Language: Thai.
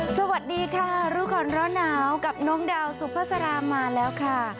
สวัสดีค่ะรู้ก่อนร้อนหนาวกับน้องดาวสุภาษามาแล้วค่ะ